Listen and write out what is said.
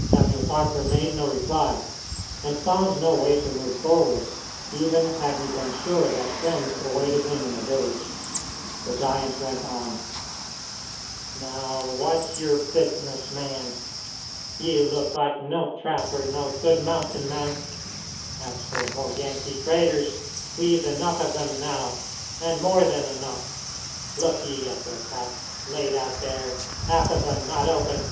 Samuel Parker made no reply, and found no way to move forward, even had he been sure that friends awaited him in the village. The giant went on: "Now, what's your business, man? Ye look like no trapper nor good mountain man. As for more Yankee traders, we've enough of them now, and more than enough. Look ye at their packs, laid out there, half of them not opened!